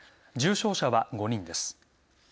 重症者は５人です。